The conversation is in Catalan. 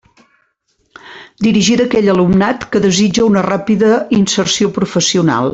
Dirigida a aquell alumnat que desitja una ràpida inserció professional.